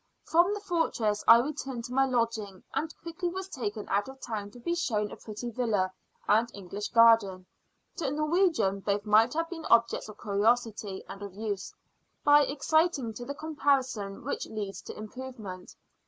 From the fortress I returned to my lodging, and quickly was taken out of town to be shown a pretty villa, and English garden. To a Norwegian both might have been objects of curiosity; and of use, by exciting to the comparison which leads to improvement.